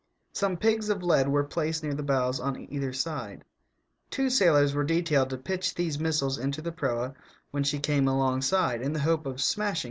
Some pigs of lead were placed near the bows on either side. Two sailors were detailed to pitch these missiles into the proa when she came alongside, in the hope of smashing her '^''